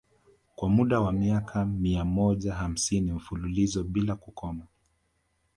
Kwa muda wa miaka mia moja hamsini mfululizo bila kukoma